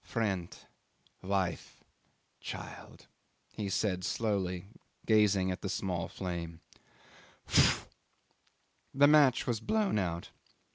'"Friend, wife, child," he said slowly, gazing at the small flame "phoo!" The match was blown out.